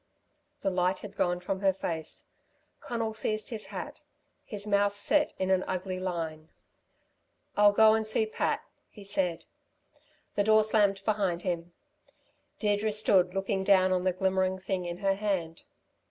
The light had gone from her face. Conal seized his hat. His mouth set in an ugly line. "I'll go and see Pat," he said. The door slammed behind him. Deirdre stood looking down on the glimmering thing in her hand.